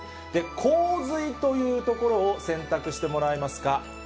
洪水というところを選択してもらえますか。